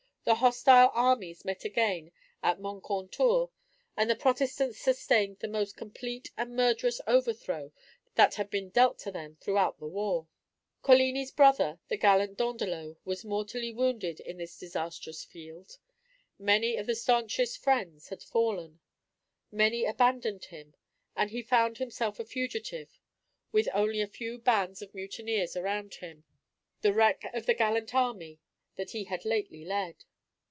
The hostile armies met again at Moncontour, and the Protestants sustained the most complete and murderous overthrow that had been dealt to them throughout the war. Coligni's brother, the gallant Dandelot, was mortally wounded in this disastrous field; many of his stanchest friends had fallen; many abandoned him; and he found himself a fugitive, with only a few bands of mutineers around him, the wreck of the gallant army that he had lately led.